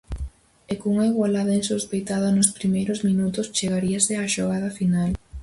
E cunha igualada insospeitada nos primeiros minutos chegaríase á xogada final.